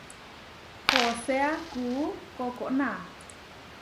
Hoseá kuú kokóna.